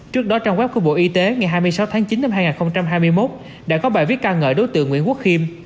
trước đó trang web của bộ y tế ngày hai mươi sáu tháng chín năm hai nghìn hai mươi một đã có bài viết ca ngợi đối tượng nguyễn quốc khiêm